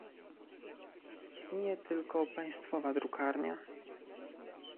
Istnieje tylko państwowa drukarnia